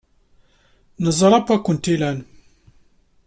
Neẓra anwa ay kent-ilan.